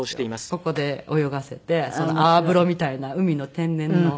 ここで泳がせて泡風呂みたいな海の天然の。